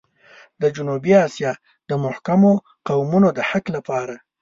د جنوبي اسيا د محکومو قومونو د حق لپاره.